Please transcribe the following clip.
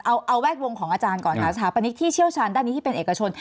เอาแวดวงของอาจารย์ก่อนค่ะสถาปนิกที่เชี่ยวชาญด้านนี้ที่เป็นเอกชน